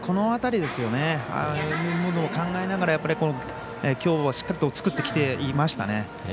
ああいうものを考えながらきょうはしっかりと作ってきていましたね。